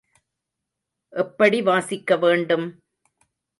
எப்படி வாசிக்க வேண்டும்?